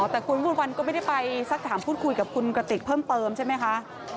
แต่คุณวิมวลวันก็ไม่ได้ไปสักถามพูดคุยกับคุณกระติกเพิ่มเติมใช่ไหมคะ